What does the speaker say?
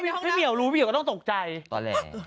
แขวนต้องตกตาย